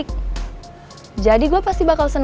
kalian nanek adalah maro